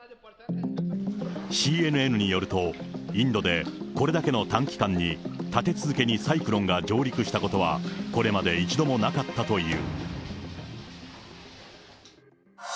ＣＮＮによると、インドでこれだけの短期間に立て続けにサイクロンが上陸したことは、これまで一度もなかったという。